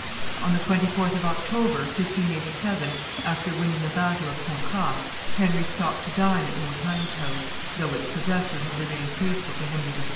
On the 24th of October, 1587, after winning the battle of Contras, Henry stopped to dine at Montaigne's house, though its possessor had remained faithful to Henry III.